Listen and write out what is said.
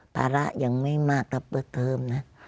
ภาระยังไม่มากถ้าเปิดเทอมนะ